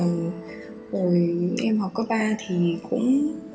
bồi em học cấp ba thì cũng